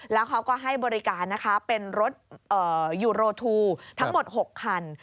แล้วเขาก็ให้บริการนะคะเป็นรถยูโรทูทั้งหมด๖คัน